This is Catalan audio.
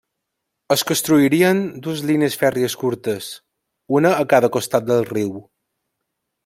Es construirien dues línies fèrries curtes, una a cada costat del riu.